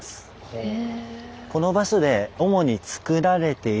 へえ。